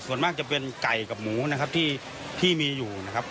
ส่วนมากจะเป็นไก่กับหมูนะครับที่มีอยู่นะครับ